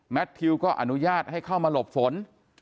ทิวก็อนุญาตให้เข้ามาหลบฝน